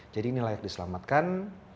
jadi ini layak diselamatkan